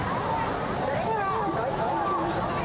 それではご一緒に。